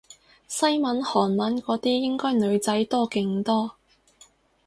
西文韓文嗰啲應該女仔多勁多